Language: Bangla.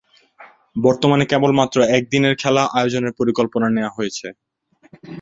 বর্তমানে কেবলমাত্র একদিনের খেলা আয়োজনের পরিকল্পনা নেয়া হয়েছে।